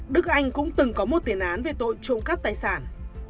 đức anh cũng từng có một tiền án về tội trộm cắp tài sản